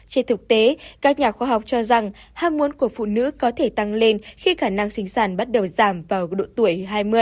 trên thực tế các nhà khoa học cho rằng ham muốn của phụ nữ có thể tăng lên khi khả năng sinh sản bắt đầu giảm vào độ tuổi hai mươi